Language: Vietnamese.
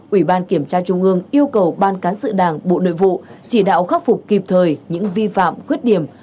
ủy ban kiểm tra trung ương yêu cầu ban cán sự đảng bộ nội vụ chỉ đạo khắc phục kịp thời những vi phạm khuyết điểm